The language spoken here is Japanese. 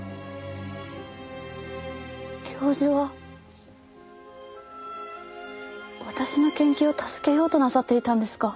教授は私の研究を助けようとなさっていたんですか。